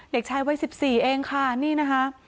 เด็กชายวัย๑๔เองค่ะนี่นะคะ